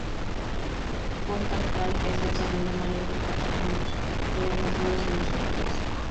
J-Five es el segundo mayor de cuatro niños, todos nacidos en Los Ángeles.